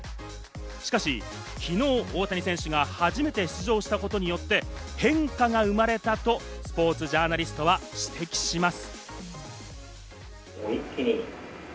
しかし、昨日、大谷選手が初めて出場したことによって変化が生まれたとスポーツジャーナリストは指摘します。